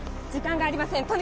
時間がありません